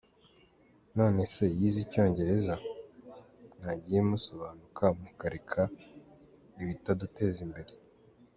None se yize Icyongereza? Mwagiye musobanuka mukareka ibitaduteza imbere?.